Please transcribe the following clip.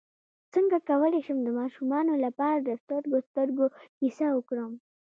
څنګه کولی شم د ماشومانو لپاره د سترګو سترګو کیسه وکړم